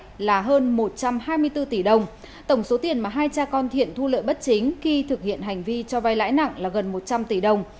thiện và phong đã thu tổng số tiền các khoản lãi là hơn một trăm hai mươi bốn tỷ đồng tổng số tiền mà hai cha con thiện thu lợi bất chính khi thực hiện hành vi cho vai lãi nặng là gần một trăm linh tỷ đồng